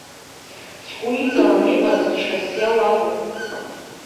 Сгәы иҵалан иҟаз Шьасиа лакәын.